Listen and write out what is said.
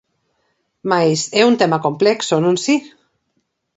Mais é un tema complexo, non si?